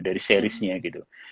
dari seriesnya gitu